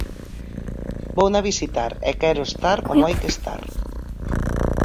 Vouna visitar e quero estar como hai que estar.